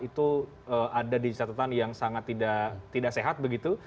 itu ada di catatan yang sangat tidak sehat begitu